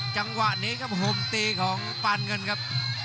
จังหวะนี้ครับห่มตีของปานเงินครับ